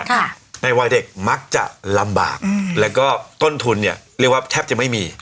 ค่ะในวัยเด็กมักจะลำบากอืมแล้วก็ต้นทุนเนี้ยเรียกว่าแทบจะไม่มี